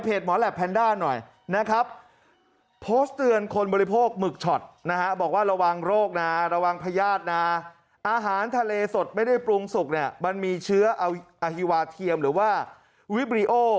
เป็นเรื่องของความคิดของแต่ละคนครับ